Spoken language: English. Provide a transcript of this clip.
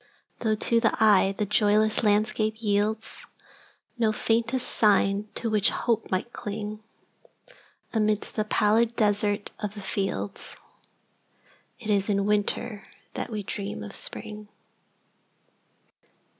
Though, to the eye, the joyless landscape yieldsNo faintest sign to which the hope might cling,—Amidst the pallid desert of the fields,—It is in Winter that we dream of Spring.